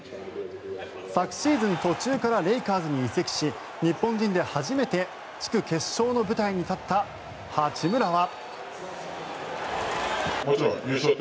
昨シーズン途中からレイカーズに移籍し日本人で初めて地区決勝の舞台に立った八村は。